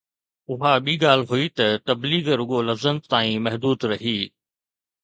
اها ٻي ڳالهه هئي ته تبليغ رڳو لفظن تائين محدود رهي.